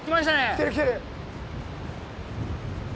来てる来てる！